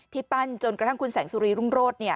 ปั้นจนกระทั่งคุณแสงสุรีรุ่งโรธ